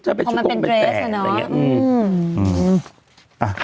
มันเป็นดราค์ดีล่ะเนอะมาเป็นแตถอะไรอย่างนี้อืม